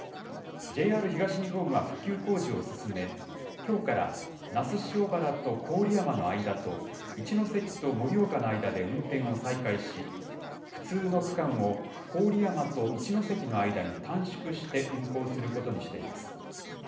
ＪＲ東日本は復旧工事を進め、きょうから、那須塩原と郡山の間と一ノ関と盛岡の間で運転を再開し、不通の区間を郡山と一ノ関の間に短縮して運行することにしています。